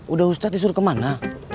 udah ustadz disuruh kemana